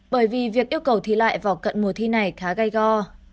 bởi vì việc yêu cầu thi lại vào cận mùa thi này khá gai go